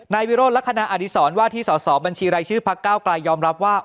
วิโรธลักษณะอดีศรว่าที่สอสอบัญชีรายชื่อพักเก้าไกลยอมรับว่า